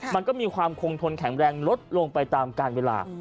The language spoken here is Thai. มันก็มีความคงทนแข็งแรงลดลงไปตามการเวลา